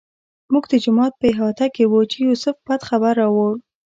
موږ د جومات په احاطه کې وو چې یوسف بد خبر راوړ.